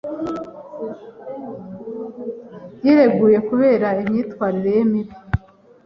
yireguye kubera imyitwarire ye mibi